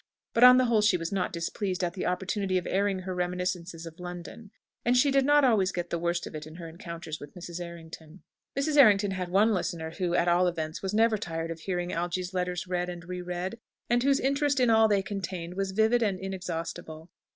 But, on the whole, she was not displeased at the opportunity of airing her reminiscences of London; and she did not always get the worst of it in her encounters with Mrs. Errington. Mrs. Errington had one listener who, at all events, was never tired of hearing Algy's letters read and re read, and whose interest in all they contained was vivid and inexhaustible.